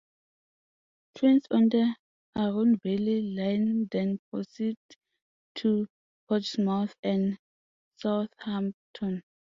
Trains on the Arun Valley line then proceed to Portsmouth and Southampton.